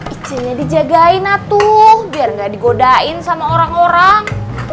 izinnya dijagain atuh biar gak digodain sama orang orang